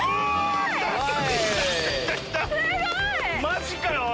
マジかよ